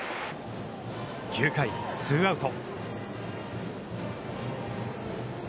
９回、ツーアウト。